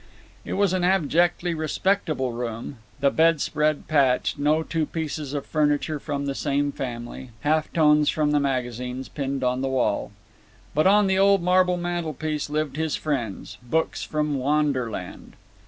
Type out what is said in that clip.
It was an abjectly respectable room—the bedspread patched; no two pieces of furniture from the same family; half tones from the magazines pinned on the wall. But on the old marble mantelpiece lived his friends, books from wanderland.